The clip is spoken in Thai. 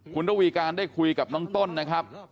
คุณระวีการได้คุยกับน้องต้นนะครับ